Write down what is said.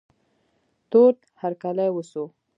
تود هرکلی وسو.